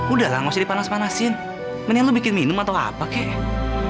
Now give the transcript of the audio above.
udah lah gak usah dipanas panasin mendingan lo bikin minum atau apa kek